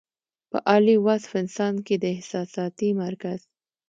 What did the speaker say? پۀ عالي وصف انسان کې د احساساتي مرکز